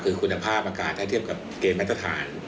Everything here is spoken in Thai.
คือคุณภาพอากาศถ้าเทียบกับเกณฑ์มาตรฐาน